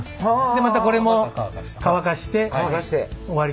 でまたこれも乾かして終わりになります。